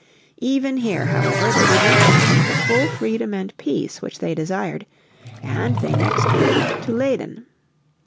Even here however they did not find the full freedom and peace which they desired, and they next moved to Leyden.